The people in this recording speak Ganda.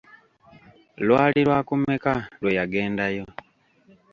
Lwali lwakumeka lwe yagendayo?